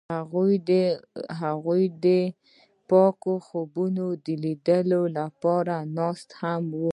هغوی د پاک خوبونو د لیدلو لپاره ناست هم وو.